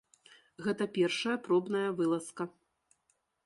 Гэта першая пробная вылазка.